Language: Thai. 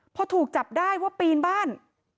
พอถูกจับได้ว่าปีนบ้าน